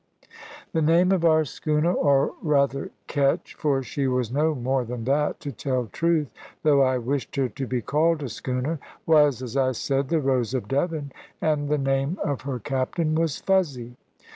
The name of our schooner, or rather ketch for she was no more than that (to tell truth), though I wished her to be called a "schooner" was, as I said, the "Rose of Devon," and the name of her captain was "Fuzzy."